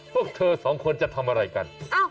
พวกเธอสองคนจะทำอะไรกัน